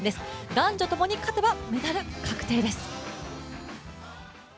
男女ともに勝てばメダル確定です。